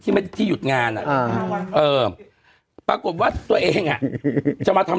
แต่แบบวัดที่อยู่กับงานอ่ะเออปรากฏวัดตัวเองอ่ะจะมาทำ